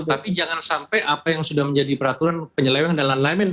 tapi jangan sampai apa yang sudah menjadi peraturan penyeleweng dan lain lain